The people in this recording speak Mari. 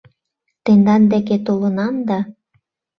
Тендан деке толынам да